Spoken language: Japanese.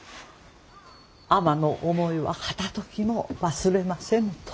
尼の思いは片ときも忘れませぬと。